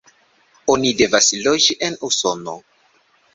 Oni devas loĝi en Usono.